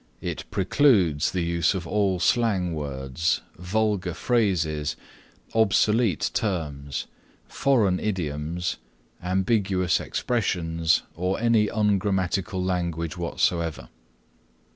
It precludes the use of all slang words, vulgar phrases, obsolete terms, foreign idioms, ambiguous expressions or any ungrammatical language whatsoever.